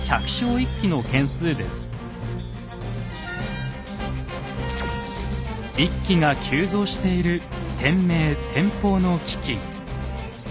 一揆が急増している天明・天保の飢饉。